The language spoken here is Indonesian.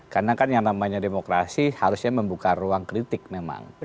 karena kan yang namanya demokrasi harusnya membuka ruang kritik memang